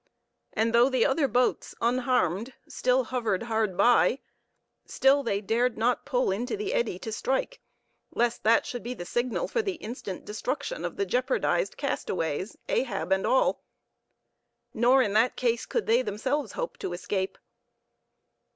And though the other boats, unharmed, still hovered hard by, still they dared not pull into the eddy to strike, lest that should be the signal for the instant destruction of the jeopardized castaways, Ahab and all; nor in that case could they themselves hope to escape.